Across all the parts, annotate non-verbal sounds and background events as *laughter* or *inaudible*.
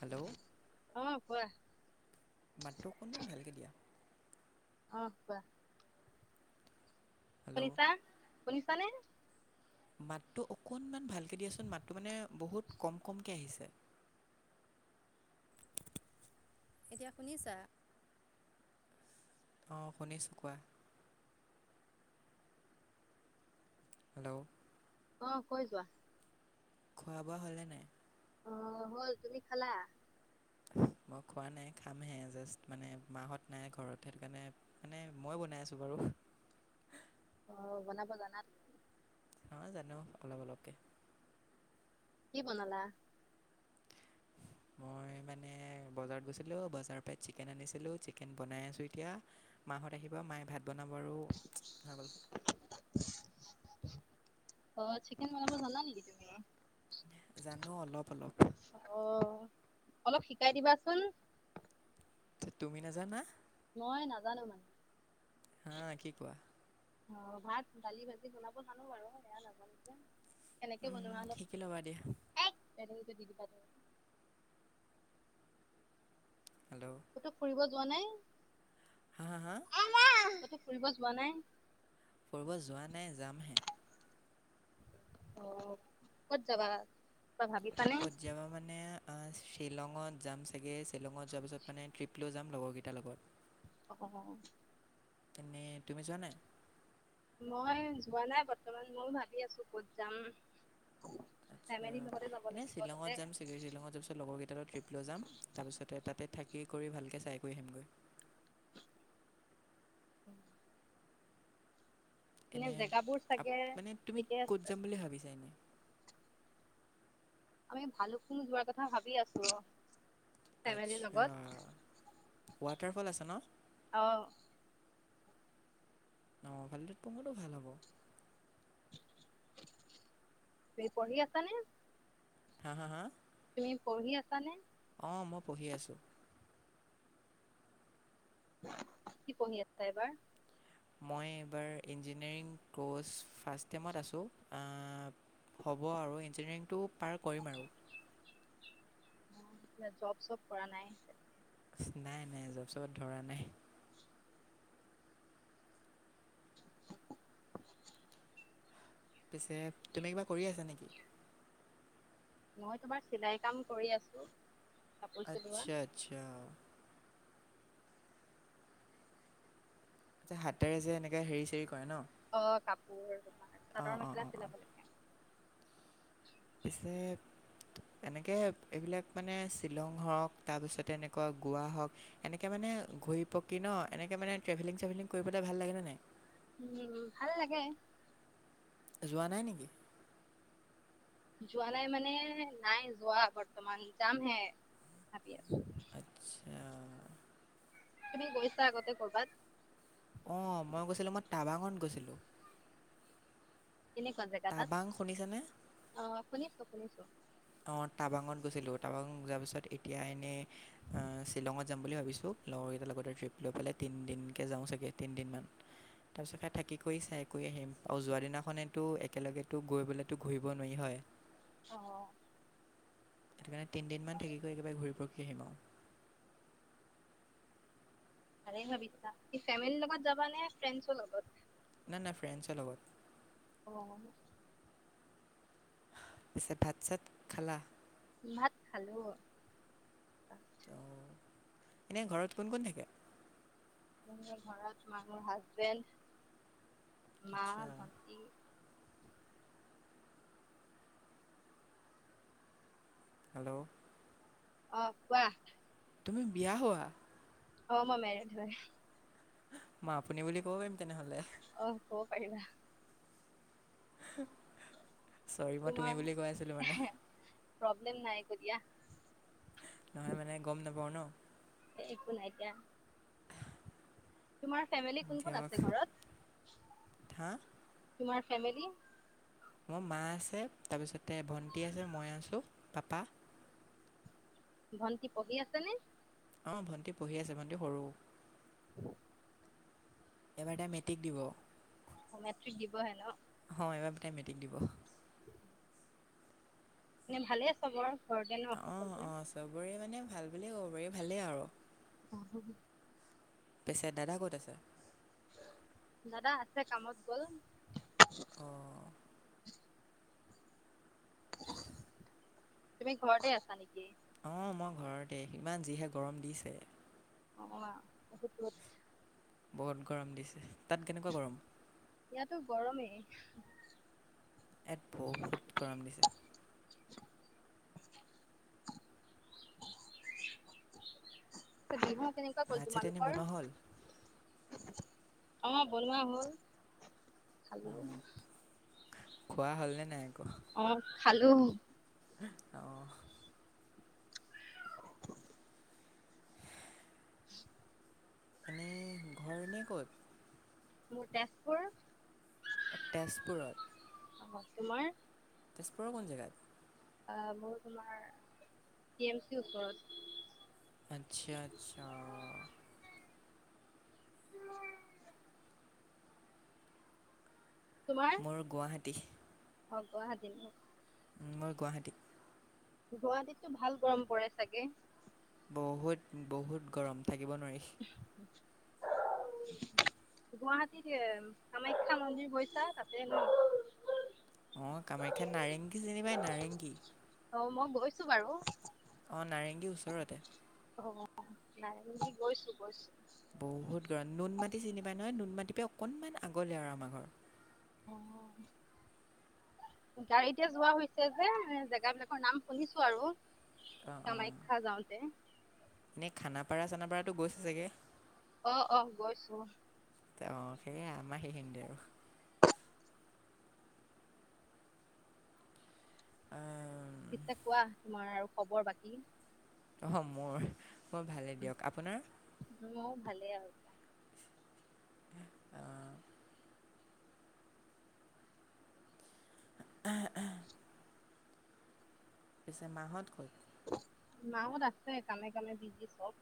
Hello অ, কোৱা। মাতটো অকণমান ভালকে দিয়া। অ', কোৱা। হেল্ল' শুনিছা, শুনিছা নে? মাতটো অকনমান ভালকে দিয়াচোন, মাতটো মানে বহুত কম কমকে আহিছে। *inaudible* এতিয়া শুনিছা? অ, শুনিছো, কোৱা। হেল্ল' অ', কৈ যোৱা। খোৱা বোৱা হ'ল নে নাই? অ' হ'ল, তুমি খালা? *inaudible* মই খোৱা নাই খামহে জাষ্ট মানে মাহত নাই ঘৰত সেইটো কাৰণে মানে মই বনাই আছো বাৰু। *inaudible* অ, বনাব জানা তুমি? অ', জানো, অলপ অলপকে। কি বনালা? মই মই মানে বজাৰত গৈছিলো, বজাৰৰপৰা চিকেন আনিছিলোঁ, চিকেন বনাই আছোঁ এতিয়া। ‌মা হঁত আহিব ব, মায়ে ভাত বনাব আৰু হৈ গ'ল। অ, চিকেন বনাব জানা নেকি তুমি? জানো, অলপ অলপ অ অলপ শিকাই দিবাচোন তুমি নাজানা? মই নাজানো মানে। হাঁ, কি কোৱা? অ', ভাত, দালি, ভাজি বনাব জানোঁ বাৰু সেয়া নাজানো যে। কেনেকে উম বনোৱা অলপ ঠিকে ল'বা দিয়া। *unintelligible* ক'তো ফুৰিব যোৱা নাই? হা, হা, হা। ক'তো ফুৰিব যোৱা নাই? কৰিব যোৱা নাই যামহে, অ', ক'ত যাবা? কিবা ভাবিছানে? আ, শ্বিলঙত যাম চাগে, শ্বিলঙত যোৱাৰ পিছত মানে ট্ৰিপ লৈ যাম লগৰকিটাৰ লগত। অ' এনে তুমি যোৱা নাই? মই যোৱা নাই বৰ্তমান ময়ও ভাবি আছো ক'ত যাম, *unintelligible* ফেমিলিৰ অ', লগতে যাব এনেই লাগিব তাতে শ্বিলঙত যাম, *unintelligible* শ্বিলঙত যোৱাৰ পিছত লগৰকেইটাৰ ট্ৰিপ লৈ যাম, তাৰপিছতে তাতে থাকি কৰি ভালকে চাই, কৰি আহিমগৈ। *inaudible* এনে এনেই জেগাবোৰ চাগে আপ-মানে তুমি ঠিকে ক'ত আছে যাম বুলি ভাবিছা এনেই? আমি ভালুকপুং যোৱাৰ কথা ভাবি আছো অ, ফেমিলিৰ আচ্ছা লগত। ৱাটাৰফল আছে ন অ'। অ', ভালুকপুংটো ভাল হ'ব। *unintelligible* পঢ়ি আছা নে? হা- হা-হা তুমি পঢ়ি আছা নে? অ, মই পঢ়ি আছোঁ। কি পঢ়ি আ *unintelligible* এবাৰ? মই এইবাৰ ইঞ্জিনিয়াৰিং কৰ্চ ফাৰ্ষ টেমত আছো *unintelligible* হ'ব আৰু ইঞ্জিনিয়াৰিংটো পাৰ কৰিম আৰু। *unintelligible* এতিয়া জব চব কৰা নাই? নাই-নাই জব চবত ধৰা নাই। পিছে তুমি কিবা কৰি আছা নেকি? মই তোমাৰ চিলাই কাম কৰি আছো। কাপোৰ চিলোৱা আচ্ছা, আচ্ছা। যে হাতেৰে যে এনেকে হেৰি চেৰি কৰে ন'? অ, কাপোৰ তোমাৰ অঁ অঁ চাদৰ-মেখেলা অঁ অঁ চিলাব লাগে পিছে এনেকে এইবিলাক মানে শ্বিলং হওঁক তাৰপিছতে এনেকুৱা গোৱা হওক এনেকে মানে ঘূৰি পকি ন' এনেকে মানে ট্ৰেভেলিং চেভেলিং কৰিবলে ভাল লাগে নে নাই? উম, ভাল লাগে। যোৱা নাই নেকি? যোৱা নাই মানে নাই যোৱা বৰ্তমান যাম হে ভাবি আছো। আচ্ছা। তুমি গৈছা আগতে ক'ৰবাত? অ মই গৈছিলো মই টাৱাঙত গৈছিলোঁ। কেনেকুৱা জেগা টাবাং শুনিছেনে তাত অ শুনিছোঁ শুনিছোঁ। অ', টাবাঙত গৈছিলোঁ, টাবাংত যোৱাৰ পিছত এতিয়া এনে অ', শ্বিলঙত যাম বুলি ভাবিছোঁ। লগৰকেইটাৰ লগতে ট্ৰিপলৈ পেলাই তিনদিনকে যাওঁ চাগে, তিনিদিনমান। তাৰপিছত সেই থাকি কৰি চাই গৈ আহিম আৰু যোৱা দিনাখনে একেলগেতো গৈ পলেতো ঘূৰিব নোৱাৰি হয়। অ। সেইটোকাৰণে তিনিদিনমান থাক কৰি একেবাৰে ঘূৰি পকি আহিম আৰু ভাবিছা ফেমিলিৰ লগত যাবা নে ফ্ৰেণ্ডছৰ লগত? না, নাই ফ্ৰেণ্ডছৰ লগত। অ' পিছে ভাত চাত খালা। ভাত খালোঁ। অ', এনে ঘৰত কোন, কোন থাকে? ধৰি লোৱা হাচবেণ্ড মা আচ্ছা ভণ্টি। হেল্ল', অ কোৱা। তুমি বিয়া হোৱা। অ মই মেৰিধ হয়। মই আপুনি বুলি ক'ব পাৰিম তেনেহলে? অ, কব পাৰিবা। চৰি মই তোমাৰ তুমি বুলি কৈ আছিলো মানে প্ৰব্লেম নাই একো দিয়া। নহয় মানে গম নাপাওঁ ন? একো নাই দিয়া। তোমাৰ ফেমিলি কোন কোন দিয়ক আছে ঘৰত? হা তোমাৰ ফেমিলি? মোৰ মা আছে, তাৰপিছতে ভণ্টি আছে, মই আছো, পাপা ভন্টি পঢ়ি আছে নে? অ, ভণ্টি পঢ়ি আছে। ভণ্টি সৰু। *inaudible* এইবাৰ তাই মেট্ৰিক দিব। অ, মেট্ৰিক দিব হে ন? অ', এইবাৰ তাই মেট্ৰিক দিব। এনে ভালে চাগৈ? *unintelligible* অঁ সকলোেৰে? অঁ চবৰে মানে ভাল বুলিয়ে ক'ব পাৰি ভালেই আৰু পিছে দাদা ক'ত আছে? দাদা আছে, কামত গ'ল। অ' তুমি ঘৰতে আছা নেকি? অ', মই ঘৰতে, ইমান যিহে গৰম দিছে! নক'বা আও, বহুত ৰ'দ! বহুত গৰম দিছে, তাত কেনেকুৱা গৰম? ইয়াতো গৰমেই। ইয়াত বহুত গৰম দিছে। *inaudible* বিহু কেনেকুৱা গ'ল ভাত চাত এনেই তোমালোকৰ? বনোৱা হ'ল আমাৰ বনোৱা হ'ল, খালোও। অঁ খোৱা হ'ল নে নাই আকৌ? অ, খালো। অ' এনেই, ঘৰ এনেই ক'ত? মোৰ তেজপুৰ অ', তেজপুৰত? অ, তোমাৰ? তেজপুৰৰ কোন জেগাত? অ', মোৰ তোমাৰ, টি এম চিৰ ওচৰত। আচ্ছা, আচ্ছা তোমাৰ? মোৰ গুৱাহাটী। অ', গুৱাহাটীত নে? মই গুৱাহাটী। গুৱাহাটীততো ভাল গৰম পৰে চাগে। বহুত, বহুত গৰম, থাকিব নোৱাৰি। *inaudible* গুৱাহাটীত কামাখ্যা মন্দিৰ গৈছা, তাতে ন? অ, কামাখ্যাত নাৰেংগী চিনি পাই, নাৰেংগী। অ, মই গৈছো বাৰু অ, নাৰেংগীৰ ওচৰতে। অ, নাৰেঙ্গীলৈ গৈছো, গৈছো। বহুত গৰম, নুন মাটি চিনি পায় নহয়, নুন মাটিৰপৰা অকনমান আগলৈ আৰু আমাৰ ঘৰ। অ' গাড়ীতে যোৱা হৈছে যে, এ জেগা বিলাকৰ নাম শুনিছো আৰু। অঁ অঁ কামাখ্যা যাওঁতে এনেই খানাপাৰা চানাপাৰাতো গৈছে চাগে? অ অ গৈছো। ত অ সেই আম আহি সি দে আৰু আ পিছে কোৱা তোমাৰ আৰু খবৰ বাকী অ মোৰ অ ভালেই দিয়ক। আপোনাৰ? ভালে আও। অঁ, আহ আহ। পিছে মাহত গৈ মা হত আছে কামে কামে বিজি চব।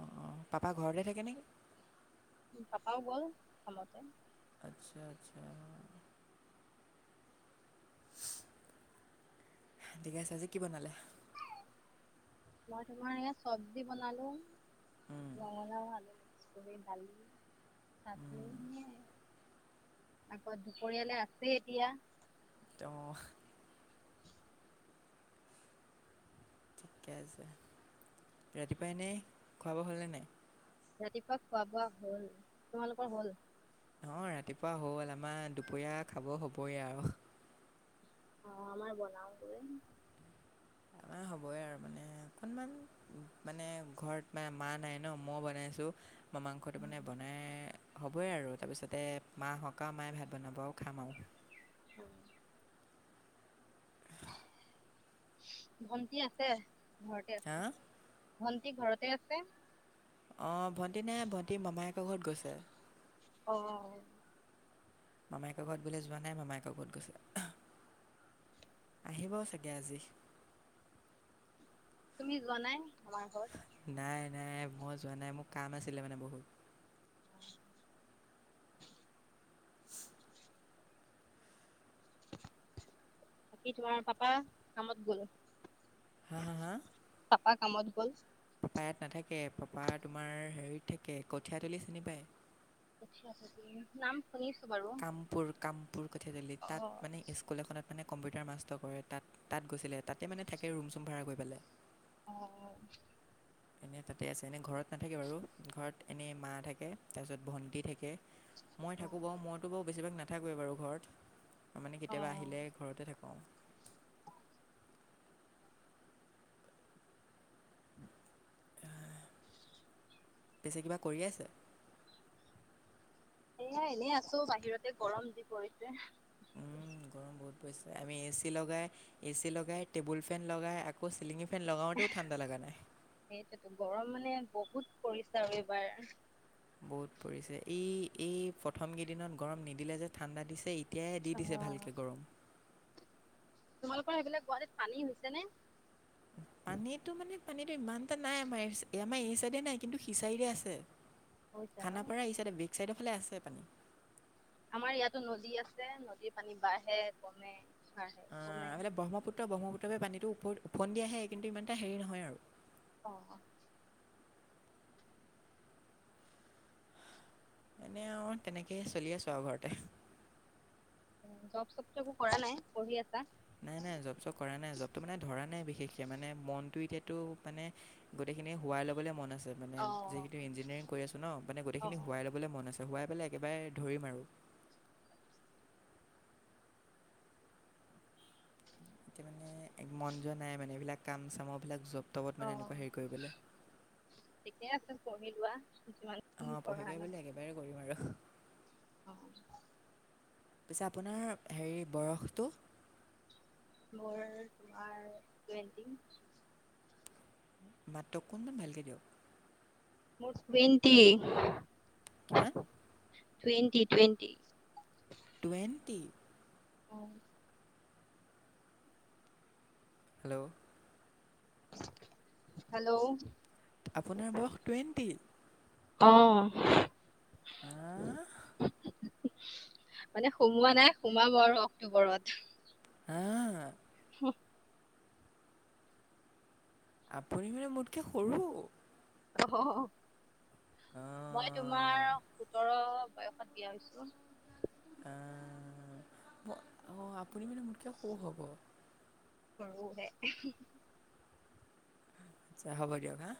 অ অ পাপা ঘৰলে থাকে নেকি? উ পাপাও গ'ল কামতে আত্চ্ছা আত্চ্ছা। থিক আছে আজি কি বনালে? মই তোমাৰ ইয়াত চব্জি বনালো উম, ৰঙলাও, হালধি কৰি দালি তাপোৰ উম, এ আকৌ দুপৰিয়ালে আছে এতিয়া। তেয় ঠিকে আছে। ৰাতিপুৱা এনে খুৱা হোৱা হ'লে নে নাই? ৰাতিপুৱা খোৱা বোৱা হ'ল। তোমালোকৰ হ'ল? ইফা হ'ল আমাৰ দুপৰীয়া খাব হবই আৰ। অ আমাৰ বনাওগৈ। আহ। হবই আৰু মানে অকনমান মানে ঘৰত মান মা নাই ন মই বনাইছো মই মাংসটো মানে বনাই হ'বই আৰু তাৰপিছতে মা আহক আৰু মায়ে ভাত বনাব আৰু খাম আও। উম। ভণ্টি আছে ঘৰতে হা আছে ভন্টি। সি ঘৰতে আছে। অ' ভণ্টি নাই ভণ্টি মামায়েকৰ ঘৰত গৈছে। অ'। মামায়েক ঘৰত বোলে যোৱা নাই, মামায়েক ঘৰত গৈছে। আহিব চাগে আজি। তুমি যোৱা নাই? আমাৰ ঘৰত? নাই নাই, মই যোৱা নাই মোৰ কাম আছিলে মানে বহুত। অ'। *inaudible* বাকী, তোমাৰ পাপা কামত গল? হা হা হা? পাপা কামত গ'ল। *unintelligible* নাথাকে পাপা তোমাৰ হেৰিত থাকে কঠিয়া তুলি চিনি পায়? *inaudible* কামপুৰ কামপুৰ কঠিয়া তলিত, তাত অ', মানে স্কুল এখনত মানে কম্পিউটাৰ মাষ্ট কৰে তাত তাত গৈছিলে তাতে মানে থাকে ৰুম-চুম ভাড়া কৰি পেলাই। অ'। এনেই তাতে আছে, এনে ঘৰত নাথাকে বাৰু। ঘৰত এনে মা থাকে তাৰপিছত ভণ্টি থাকে। মই অ', থাকো বাৰু মইতো বাৰু বেছিভাগ নাথাকোৱে বাৰু ঘৰত মানে কেতিয়াবা অ', আহিলে ঘৰতে থাকো। কওঁ। *unintelligible* পিছে কিবা কৰি আছে? মই এনেই আছো বাহিৰতে, গৰম যি পৰিছে! উম গৰম বহুত পৰিছে। আমি এ চি লগাই, এ চি লগাই, টেবুল ফেন লগাই আকৌ চিলিঙি ফেন লগাওঁতেও ঠাণ্ডা লগা নাই। সেইটোতো গৰম মানে বহুত পৰিছে আৰু এইবাৰ। বহুত পৰিছে। এই, এই, প্ৰথম কেইদিনত গৰম নিদিলে যে ঠাণ্ডা দিছে, এত তিয়াহে দি দিছে ভালকৈ গৰম। তোমালোকৰ সেইফালে গুৱাহাটীত পানী হৈছে নে? পানীটো মানে, পানীটো ইমান এটা নাই আমাৰ এই চাই, আমাৰ এই চাইডে নাই, কিন্তু সিচাইডে আছে। হৈছে ন? খানাপাৰা এই চাইডে বেক চাইডৰ ফালে আছে পানী আমাৰ ইয়াতো নদী আছে, নদীৰ পানী বাঢ়ে, কমে বাঢ়ে অ', কমে। এফালে ব্ৰহ্মপুত্ৰ, ব্ৰহ্মপুত্ৰপা পানীটো ওপ ওফন্দি আহে, কিন্তু ইমান এটা হেৰি নহয় আৰু অ' এনেই আও, তেনেকেই চলি আছোঁ আৰু ঘৰতে। উ, জব চবটো একো কৰা নাই, পঢ়ি আছ নাই নাই জব চপ কৰা নাই জবতো মানে ধৰা নাই বি বিশেষকে মানে মনটো এতিয়াতো মানে গোটেইখিনি হুৱাই লবলে মন আছে। জব মানে অ', *unintelligible* ইঞ্জিনিয়াৰিং কৰি আছোঁ ন, মানে গোটেখিনি অ', হোৱাই ল'বলৈ মন আছে হোৱাই পেলাই একেবাৰে ধৰিম আৰু। এতিয়া মানে মন যোৱা নাই মানে, এইবিলাক কাম চামৰ বিলাক জব তবত মানে এনেকুৱা অ', হেৰি কৰিবলৈ। ঠিকে আছে পঢ়ি লোৱা, যিমান *unintelligible* অঁ পঢ়ি পঢ়া কৰি ন? বুলি একেবাৰে কৰিম আৰু অ' পিছে আপোনাৰ হেৰি বয়সটো? মোৰ, তোমাৰ টুৱেন্টি মাতটো অকণমান ভালকে দিয়ক। মোৰ টুৱেন্টি। কিমান? Twenty, twenty. টুৱেণ্টি অ'। হেল্ল'! হেল্ল'! আপোনাৰ বয়স টুৱেণ্টি। অ। আঁ মানে সোমোৱা নাই, সোমাব আৰু অক্টোবৰত। অ', *unintelligible* আপুনি মানে মোতকে সৰু? অ, মই অঁ তোমাৰ সোতৰ বয়সত বিয়া হৈছো। আ, ম-অ', আপুনি মানে মোতকৈ সৰু হ'ব। সৰুহে। আচ্ছা হ'ব দিয়ক হা।